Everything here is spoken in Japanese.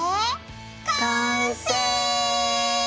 完成！